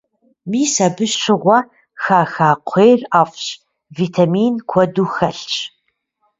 Мис абы щыгъуэ хаха кхъуейр ӏэфӏщ, витамин куэду хэлъщ.